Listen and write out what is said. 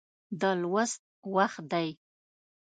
د لوست وخت دی